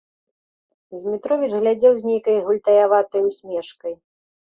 Змітровіч глядзеў з нейкай гультаяватай усмешкай.